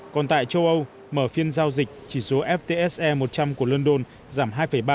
còn tại châu âu mở phiên giao dịch chỉ số ftse một trăm linh của london giảm hai ba